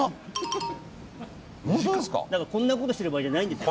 だからこんなことしてる場合じゃないんですよ。